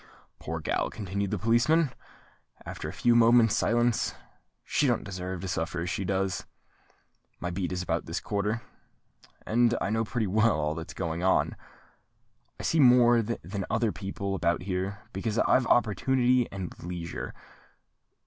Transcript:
"Poor gal!" continued the policeman, after a few moments' silence; "she don't deserve to suffer as she does. My beat is about this quarter: and I know pretty well all that's going on. I see more than other people about here, because I've opportunity and leisure.